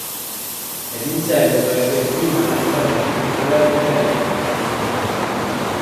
Ed in seguito ebbe il primo allacciamento alla rete elettrica nazionale.